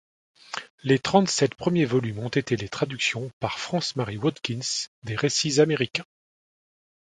Les trente-sept premiers volumes ont été les traductions par France-Marie Watkins des récits américains.